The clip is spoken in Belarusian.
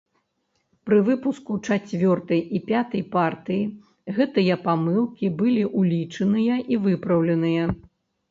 Пры выпуску чацвёртай і пятай партыі гэтыя памылкі былі улічаныя і выпраўленыя.